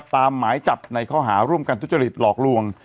ตามหมายจับในข้อหาร่วมกันตุ้นจติฤทธิ์หลอกล่วง